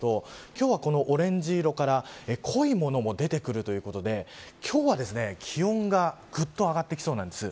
今日はオレンジ色から濃いものも出てくるということで今日は気温がぐっと上がってきそうなんです。